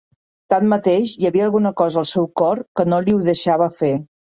Tanmateix, hi havia alguna cosa al seu cor que no li ho deixava fer.